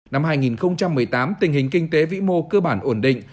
năm hai nghìn một mươi tám tình hình kinh tế vĩ mô cơ bản ổn định